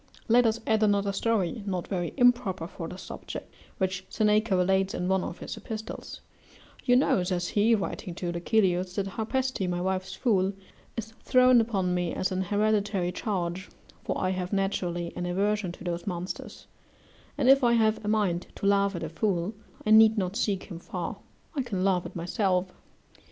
Let us add another story, not very improper for this subject, which Seneca relates in one of his epistles: "You know," says he, writing to Lucilius, "that Harpaste, my wife's fool, is thrown upon me as an hereditary charge, for I have naturally an aversion to those monsters; and if I have a mind to laugh at a fool, I need not seek him far; I can laugh at myself.